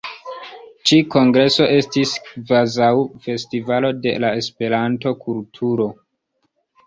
Ĉi kongreso estis kvazaŭ festivalo de la Esperanto-kulturo.